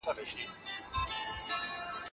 دلته دوږخ هلته دوږخ دی د خوارانو موري.